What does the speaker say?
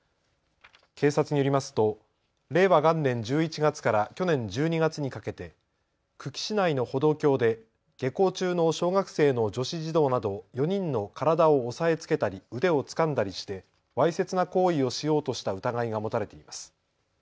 警察によりますと令和元年１１月から去年１２月にかけて久喜市内の歩道橋で下校中の小学生の女子児童など４人の体を押さえつけたり腕をつかんだりしてわいせつな行為をしようとした疑いが持たれています。